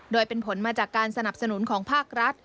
โดยเป็นผลมาจากการสนับสนุนของภาครัฐ